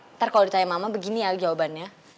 ntar kalau ditanya mama begini ya jawabannya